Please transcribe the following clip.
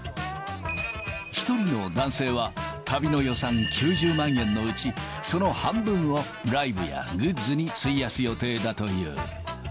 一人の男性は、旅の予算９０万円のうち、その半分をライブやグッズに費やす予定だという。